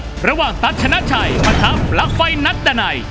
ที่ระหว่างตั๊ดชนะชัยผ่านทำปลั๊กไฟนัดตะไหน